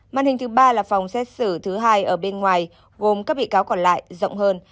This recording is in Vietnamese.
màn hình thứ ba là phòng xét xử thứ hai ở bên ngoài gồm các bị cáo còn lại rộng hơn